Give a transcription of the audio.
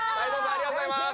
ありがとうございます。